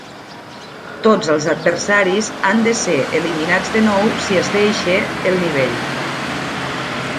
Tots els adversaris han de ser eliminats de nou si es deixa el nivell.